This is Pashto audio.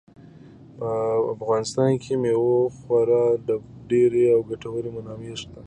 په افغانستان کې د مېوو خورا ډېرې او ګټورې منابع شته.